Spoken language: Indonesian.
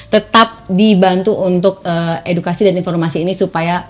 tetap dibantu untuk edukasi dan informasi ini supaya